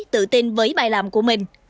tự tin với bài làm của mình